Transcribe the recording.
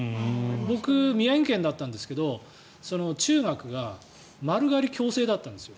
僕、宮城県だったんですけど中学が丸刈り強制だったんですよ